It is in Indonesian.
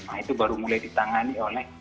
nah itu baru mulai ditangani oleh